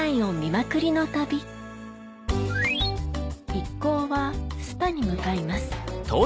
一行はスパに向かいます